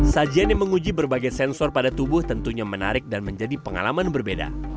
sajian yang menguji berbagai sensor pada tubuh tentunya menarik dan menjadi pengalaman berbeda